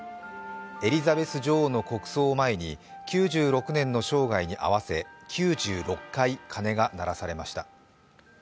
エリザベス女王の国葬を前に９６年の生涯に合わせ９６回、鐘が鳴らされました。